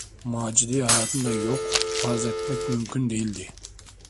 Macide’yi hayatında yok farz etmek mümkün değildi.